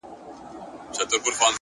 مثبت لید د ستونزو شدت کموي،